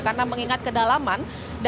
karena mengingat kedalaman